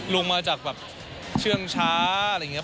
ลงมาจากแบบเชื่องช้าอะไรอย่างนี้